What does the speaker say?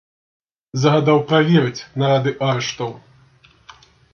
Загадаў праверыць нарады арыштаў.